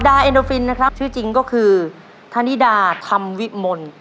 ดาร์แอนโอฟินชื่อจริงก็คือทานีดาธำวิมนต์